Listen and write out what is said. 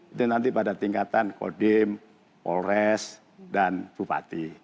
itu nanti pada tingkatan kodim polres dan bupati